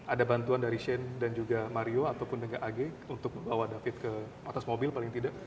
ada bantuan dari shane dan juga mario ataupun dengan ag untuk membawa david ke atas mobil paling tidak